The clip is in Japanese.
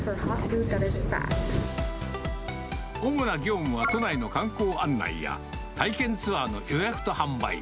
主な業務は都内の観光案内や、体験ツアーの予約と販売店。